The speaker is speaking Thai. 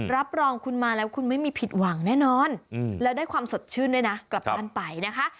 รับรองคุณมาแล้วคุณไม่มีผิดหวังแน่นอนแล้วได้ความสดชื่นด้วยนะกลับบ้านไปนะคะ